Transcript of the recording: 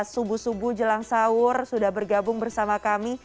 subuh subuh jelang sahur sudah bergabung bersama kami